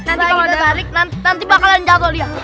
nanti kalau kita tarik nanti bakalan jatuh lihat